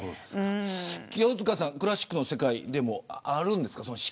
清塚さん、クラシックの世界でもあるんですか。